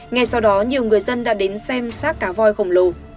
ngay sau đó nhiều người dân đã đến xem sát cá voi khổng lồ